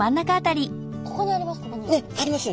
ここにあります